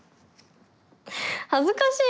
恥ずかしい！